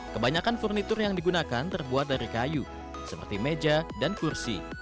kebanyakan furnitur yang digunakan terbuat dari kayu seperti meja dan kursi